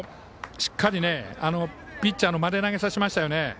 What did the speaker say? しっかりピッチャーの間で投げさせましたね。